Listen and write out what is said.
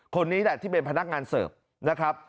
คนนี้แหละที่เป็นพนักงานเสิร์ฟนะครับ